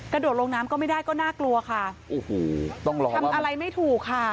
กระโดดลงน้ำก็ไม่ได้ก็น่ากลัวค่ะทำอะไรไม่ถูกค่ะ